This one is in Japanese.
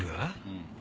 うん。